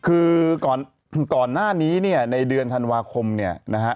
คือก่อนหน้านี้เนี่ยในเดือนธันวาคมเนี่ยนะฮะ